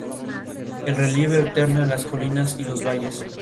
El relieve alterna las colinas y los valles.